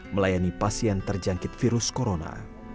melayani pasien terjangkit virus corona